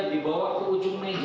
dibawa ke ujung meja